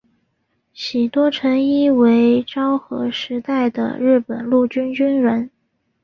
喜多诚一为昭和时代的日本陆军军人。